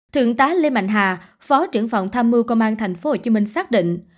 thượng tá lê mạnh hà phó trưởng phòng tham mưu công an tp hcm xác định